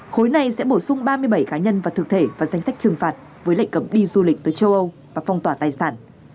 khối này sẽ bổ sung ba mươi bảy cá nhân và thực thể vào danh sách trừng phạt với lệnh cấm đi du lịch tới châu âu và phong tỏa tài sản